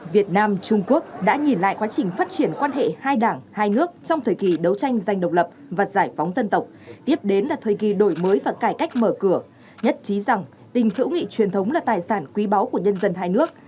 việt nam trung quốc đã nhìn lại quá trình phát triển quan hệ hai đảng hai nước trong thời kỳ đấu tranh giành độc lập và giải phóng dân tộc tiếp đến là thời kỳ đổi mới và cải cách mở cửa nhất trí rằng tình hữu nghị truyền thống là tài sản quý báu của nhân dân hai nước